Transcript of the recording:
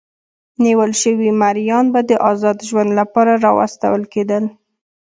نیول شوي مریان به د ازاد ژوند لپاره راوستل کېدل.